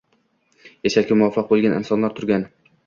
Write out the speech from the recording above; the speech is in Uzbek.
yashashga muvaffaq bo‘lgan insonlar turgan.